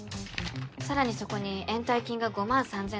さらにそこに延滞金が５万３６００円。